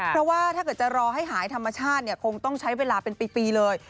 เพราะว่าถ้าเกิดจะรอให้หายธรรมชาติเนี่ยคงต้องใช้เวลาเป็นปีเลย